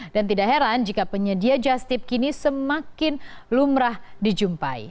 dan tidak heran jika penyedia just tip kini semakin lumrah dijumpai